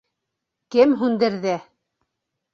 Кем һүндерҙе?